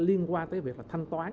liên quan tới việc là thanh toán